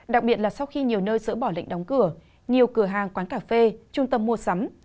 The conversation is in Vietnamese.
đặc biệt là sau khi nhiều nơi dỡ bỏ lệnh đóng cửa nhiều cửa hàng quán cà phê trung tâm mua sắm